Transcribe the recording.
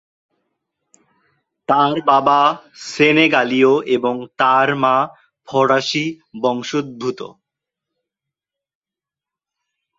তার বাবা সেনেগালীয় এবং তার মা ফরাসি বংশোদ্ভূত।